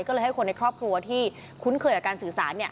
ก็เลยให้คนในครอบครัวที่คุ้นเคยกับการสื่อสาร